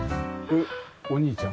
お兄ちゃん。